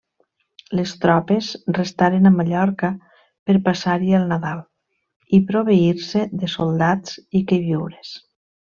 Les tropes restaren a Mallorca per passar-hi el Nadal i proveir-se de soldats i queviures.